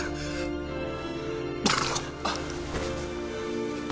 あっ。